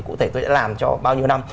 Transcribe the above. cụ thể tôi đã làm cho bao nhiêu năm